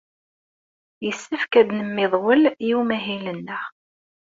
Yessefk ad nemmiḍwel i umahil-nneɣ.